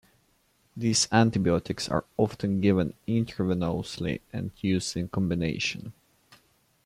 These antibiotics are often given intravenously and used in combination.